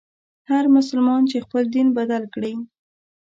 هر مسلمان چي خپل دین بدل کړي.